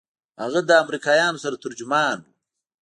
هغه له امريکايانو سره ترجمان و.